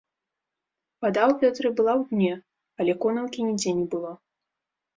Вада ў вядры была ў дне, але конаўкі нідзе не было.